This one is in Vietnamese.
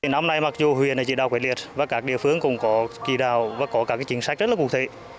năm nay mặc dù huyền chỉ đào quả liệt và các địa phương cũng có kỳ đào và có các chính sách rất là cụ thể